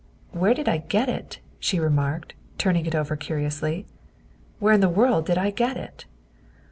" Where did I get it?" she remarked, turning it over curiously, " where in the world did I get it?"